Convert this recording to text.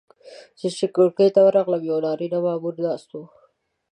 زه چې کړکۍ ته ورغلم یو نارینه مامور ناست و.